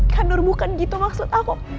kanur bukan gitu maksud aku